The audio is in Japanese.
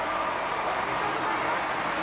おめでとうございます。